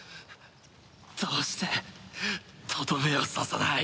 どうしてとどめを刺さない？